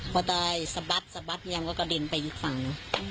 พอตายสะบัดสะบัดยามก็กระดิ้นไปอีกฝั่งอือ